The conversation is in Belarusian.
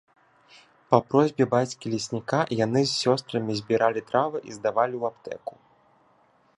Па просьбе бацькі-лесніка яны з сёстрамі збіралі травы і здавалі ў аптэку.